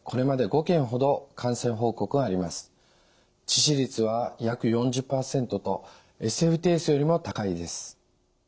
致死率は約４０％とＳＦＴＳよりも高いです。